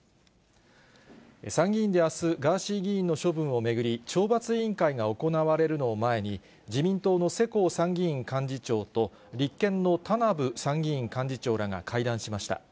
参議院であす、ガーシー議員の処分を巡り、懲罰委員会が行われるのを前に、自民党の世耕参議院幹事長と、立憲の田名部参議院幹事長らが会談しました。